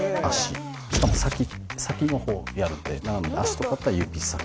しかも先の方にあるんで足とかだったら指先。